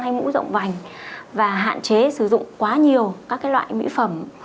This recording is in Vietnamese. hay mũ rộng vành và hạn chế sử dụng quá nhiều các loại mỹ phẩm